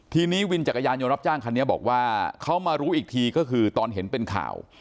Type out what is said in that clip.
ทีนี้วินจักรยานยนต์รับจ้างคันนี้บอกว่าเขามารู้อีกทีก็คือตอนเห็นเป็นข่าว